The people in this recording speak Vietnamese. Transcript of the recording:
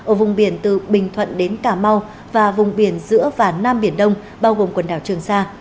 ở vùng biển từ bình thuận đến cà mau và vùng biển giữa và nam biển đông bao gồm quần đảo trường sa